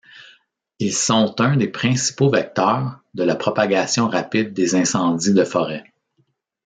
Ils sont un des principaux vecteurs de la propagation rapide des incendies de forêt.